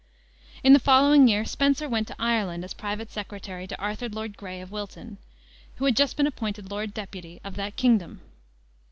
In the following year Spenser went to Ireland as private secretary to Arthur Lord Grey of Wilton, who had just been appointed Lord Deputy of that kingdom.